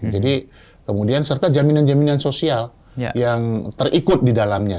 jadi kemudian serta jaminan jaminan sosial yang terikut di dalamnya